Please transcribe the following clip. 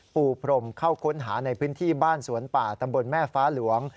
ปูพรมเข้าค้นหาในพื้นที่บ้านสวนป่าตำบลแม่ฟ้าหลวง